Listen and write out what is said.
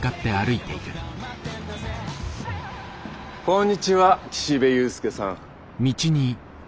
こんにちは岸辺勇介さん。